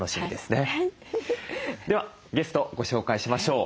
ではゲストご紹介しましょう。